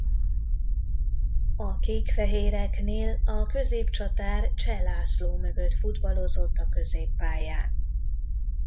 A kék-fehéreknél a középcsatár Cseh László mögött futballozott a középpályán.